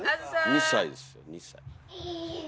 ２歳です２歳。